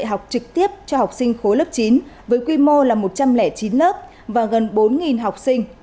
học trực tiếp cho học sinh khối lớp chín với quy mô là một trăm linh chín lớp và gần bốn học sinh